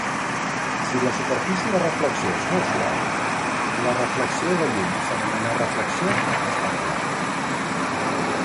Si la superfície de reflexió és molt suau, la reflexió de llum s'anomena reflexió especular.